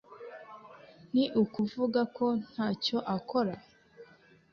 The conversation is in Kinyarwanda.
Ni ukuvuga ko ntacyo akora